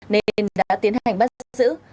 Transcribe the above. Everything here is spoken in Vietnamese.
nên đã tiến hành bắt giữ